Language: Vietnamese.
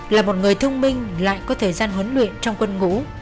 là một người thông minh lại có thời gian huấn luyện trong quân ngũ